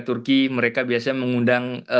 turki mereka biasanya mengundang